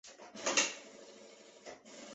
勒普莱西贝勒维尔。